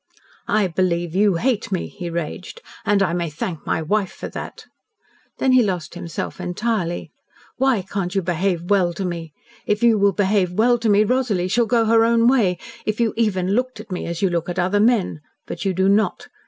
"I believe you hate me," he raged. "And I may thank my wife for that." Then he lost himself entirely. "Why cannot you behave well to me? If you will behave well to me, Rosalie shall go her own way. If you even looked at me as you look at other men but you do not.